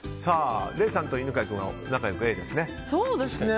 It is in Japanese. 礼さんと犬飼君は仲良くＡですね。